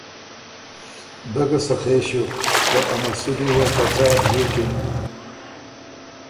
دۀ ګۀ سخے ݭیوک، که ا مسُودی وه که څا دئېکِن